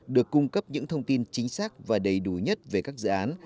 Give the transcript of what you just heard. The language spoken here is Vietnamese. được cung cấp những thông tin chính xác và đầy đủ nhất về các dự án